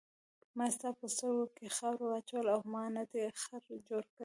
ما ستا په سترګو کې خاورې واچولې او ما نه دې خر جوړ کړ.